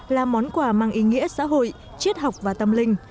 là món quà mang ý nghĩa xã hội triết học và tâm linh